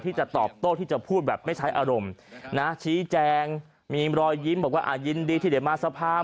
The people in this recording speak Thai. ที่จะตอบโต้ที่จะพูดแบบไม่ใช้อารมณ์นะชี้แจงมีรอยยิ้มบอกว่ายินดีที่ได้มาสภาพ